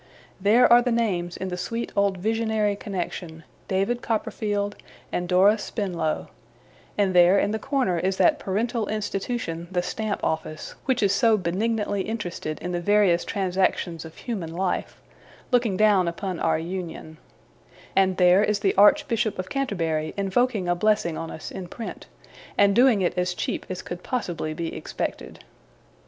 There are the names, in the sweet old visionary connexion, David Copperfield and Dora Spenlow; and there, in the corner, is that Parental Institution, the Stamp Office, which is so benignantly interested in the various transactions of human life, looking down upon our Union; and there is the Archbishop of Canterbury invoking a blessing on us in print, and doing it as cheap as could possibly be expected.